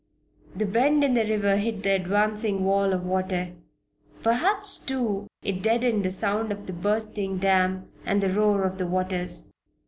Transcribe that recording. The bend in the river hid the advancing wall of water. Perhaps, too, it deadened the sound of the bursting dam and the roar of the waters.